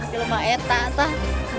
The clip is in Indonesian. sambil mah eta entah